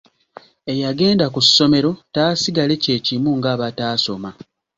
Eyagenda ku ssomero taasigale kye kimu ng’abataasoma.